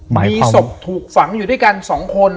มีศพถูกฝังอยู่ด้วยกัน๒คน